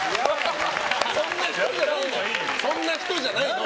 そんな人じゃないの。